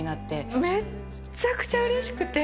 めっちゃくちゃうれしくて。